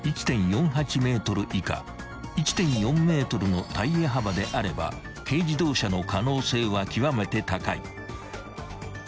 ［１．４ｍのタイヤ幅であれば軽自動車の可能性は極めて高い］